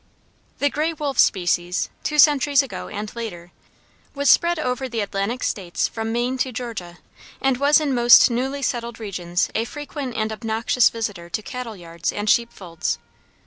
The gray wolf species, two centuries ago and later, was spread over the Atlantic States from Maine to Georgia, and was in most newly settled regions a frequent and obnoxious visitor to cattle yards and sheep folds.